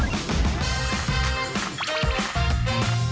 มีช่วงระยะเวลา๑และเป็นบุคคลที่ได้แจ้งรายละเอียดหน้าที่และค่าตอบแทนต่อก็กตอประจำจังหวัด